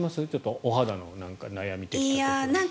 お肌の悩みとか。